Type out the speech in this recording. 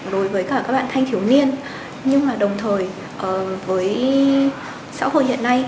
đối với các bạn thanh thiếu niên nhưng đồng thời với xã hội hiện nay